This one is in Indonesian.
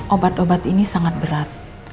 obat obat ini sangat berat